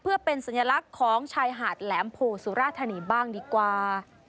เพื่อเป็นสัญลักษณ์ของชายหาดแหลมโพสุราธานีบ้างดีกว่า